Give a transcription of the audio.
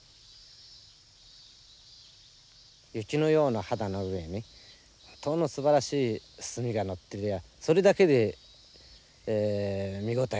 雪のような肌の上にすばらしい墨がのってりゃあそれだけで見応えがあるわけですよ。